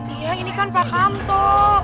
iya ini kan pak kanto